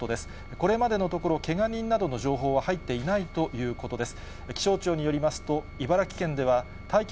これまでのところ、けが人などの情報は入っていないということです。